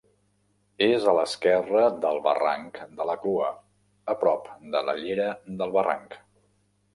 És a l'esquerra del barranc de la Clua, a prop de la llera del barranc.